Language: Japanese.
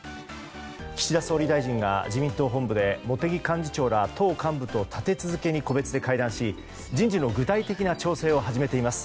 岸田総理大臣が自民党本部で茂木幹事長ら党幹部と立て続けに個別で会談し人事の具体的な調整を始めています。